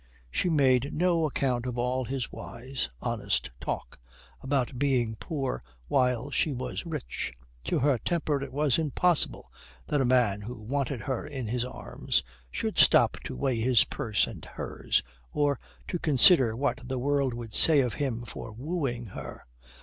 She made no account of all his wise, honest talk about being poor while she was rich. To her temper it was impossible that a man who wanted her in his arms should stop to weigh his purse and hers, or to consider what the world would say of him for wooing her.